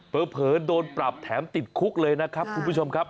เผลอโดนปรับแถมติดคุกเลยนะครับคุณผู้ชมครับ